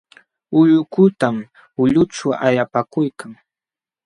Ullukutam ulqućhu allapakuykan.